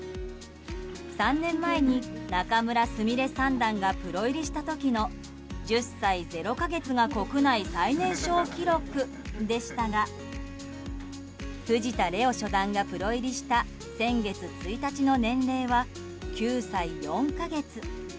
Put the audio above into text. ３年前に仲邑菫三段がプロ入りした時の１０歳０か月が国内最年少記録でしたが藤田怜央初段がプロ入りした先月１日の年齢は９歳４か月。